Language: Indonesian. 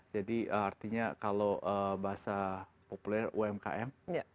jadi artinya kalau bahasa populer umkm